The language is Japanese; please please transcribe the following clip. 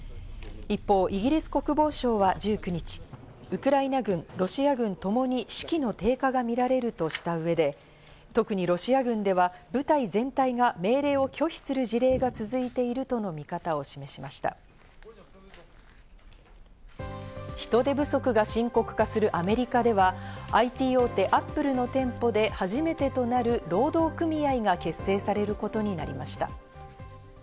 一方、イギリス国防省は１９日、ウクライナ軍、ロシア軍ともに士気の低下がみられるとした上で、特にロシア軍では、部隊全体が命令を拒否する事例が続いていると人手不足が深刻化するアメリカではＩＴ大手・Ａｐｐｌｅの店舗で初めてとなる労働組合が結成されることになりました。